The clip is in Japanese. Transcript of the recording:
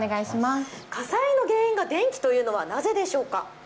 火災の原因が電気というのはなぜでしょうか。